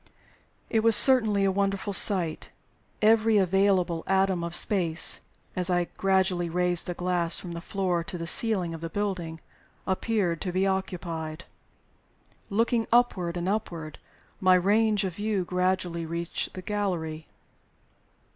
It was certainty a wonderful sight. Every available atom of space (as I gradually raised the glass from the floor to the ceiling of the building) appeared to be occupied. Looking upward and upward, my range of view gradually reached the gallery.